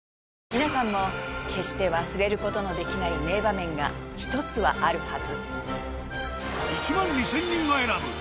皆さんも決して忘れる事のできない名場面が一つはあるはず。